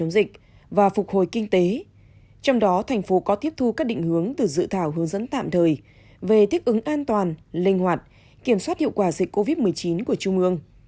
trong đó thành phố có tiếp thu các định hướng từ dự thảo hướng dẫn tạm thời về thích ứng an toàn linh hoạt kiểm soát hiệu quả dịch covid một mươi chín của trung ương